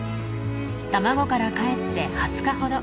卵からかえって２０日ほど。